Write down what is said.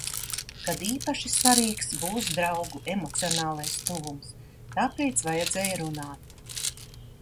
Kad īpaši svarīgs būs draugu emocionālais tuvums. Tāpēc vajadzēja runāt.